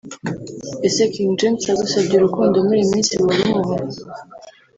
”Ese King James agusabye urukundo muri iyi minsi warumuha